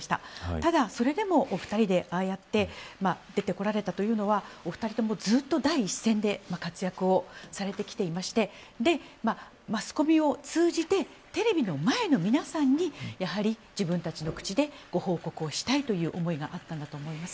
ただ、それでもお二人で、ああやって出てこられたというのはお二人ともずっと第一線で活躍をされてきていましてマスコミを通じてテレビの前の皆さんにやはり、自分たちの口でご報告をしたいという思いがあったんだと思います。